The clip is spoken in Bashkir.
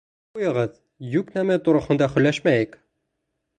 Ҡуйығыҙ, юҡ нәмә тураһында һөйләшмәйек!